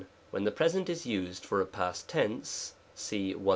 T. When the present is used for a past tense (§132, 2.)